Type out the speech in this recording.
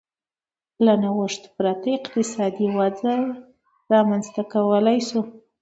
له نوښت پرته اقتصادي وده رامنځته کولای شوای.